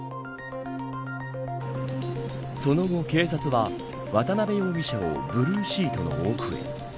その後、警察は渡部容疑者をブルーシートの奥へ。